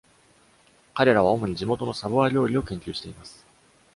彼らは主に地元のサヴォワ料理を研究しています。